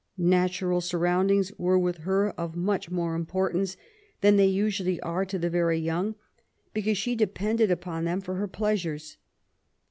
Natural surroundings were with her of much more importance than they usually are to the very young, because she depended upon them for her pleasures.